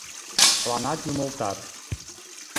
Чыланат юмылтат.